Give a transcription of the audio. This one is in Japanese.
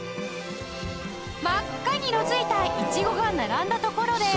真っ赤に色づいたイチゴが並んだところで